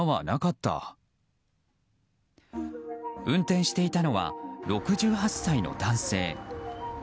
運転していたのは６８歳の男性。